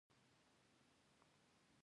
ایا زه باید مستې وخورم؟